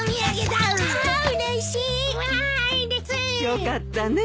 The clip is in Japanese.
よかったね。